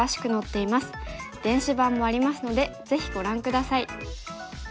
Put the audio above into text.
電子版もありますのでぜひご覧下さい。